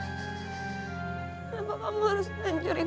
kenapa kamu harus ngancurin